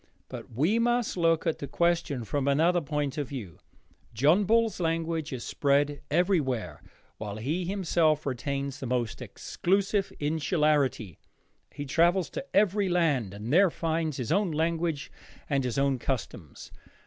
But we must look at the question from another point of view. John Bull's language is spread everywhere, while he himself retains the most exclusive insularity. He travels to every land and there finds his own language and his own customs.